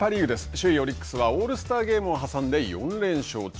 首位オリックスはオールスターゲームを挟んで４連勝中。